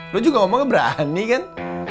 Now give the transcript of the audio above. lu juga ngomongnya berani kan